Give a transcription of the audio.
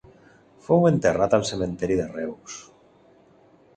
Fou enterrat al cementiri de Reus.